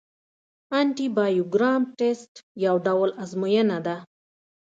انټي بایوګرام ټسټ یو ډول ازموینه ده.